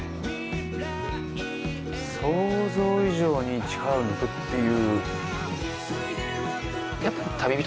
想像以上に力を抜くっていう。